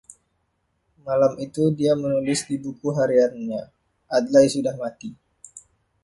Malam itu dia menulis di buku hariannya, Adlai sudah mati.